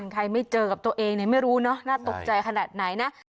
ใครไม่เจอกับตัวเองไม่รู้เนอะน่าตกใจขนาดไหนนะ